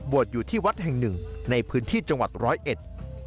อยู่ที่วัดแห่งหนึ่งในพื้นที่จังหวัดร้อยเอ็ด